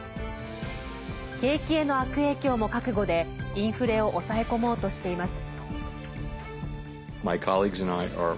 景気への悪影響も覚悟でインフレを抑え込もうとしています。